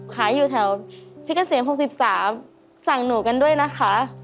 ขายอยู่แถวพี่เกษม๖๓สั่งหนูกันด้วยนะคะ